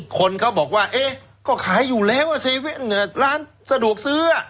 คนเขาบอกว่าเอ๊ะก็ขายอยู่แล้ว๗๑๑ร้านสะดวกซื้อ